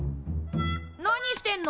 何してんの？